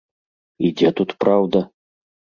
І дзе тут праўда?